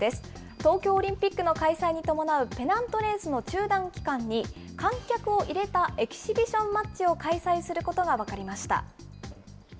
東京オリンピックの開催に伴うペナントレースの中断期間に、観客を入れたエキシビションマッチを開催することが分かりました。